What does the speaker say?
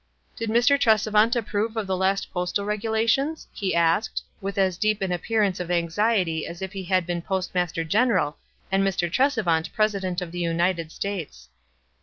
"Did Mr. Tresevant approve of the last postal regulations ?" he asked, with as deep an appear ance of anxiety as if he had been Postmaster General and Mr. Tresevant President of the United States.